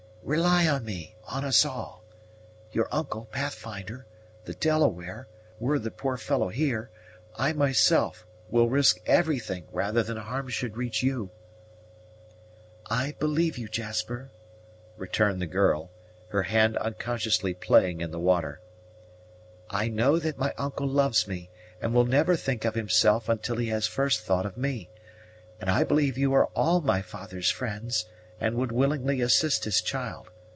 "Rely on me on us all. Your uncle, Pathfinder, the Delaware, were the poor fellow here, I myself, will risk everything rather than harm should reach you." "I believe you, Jasper," returned the girl, her hand unconsciously playing in the water. "I know that my uncle loves me, and will never think of himself until he has first thought of me; and I believe you are all my father's friends, and would willingly assist his child.